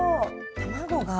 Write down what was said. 卵が。